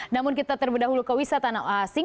namun kita terlebih dahulu ke wisata asing